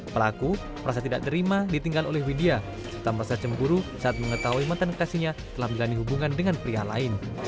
pelaku merasa tidak terima ditinggal oleh widya serta merasa cemburu saat mengetahui mantan kekasihnya telah menjalani hubungan dengan pria lain